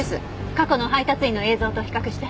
過去の配達員の映像と比較して。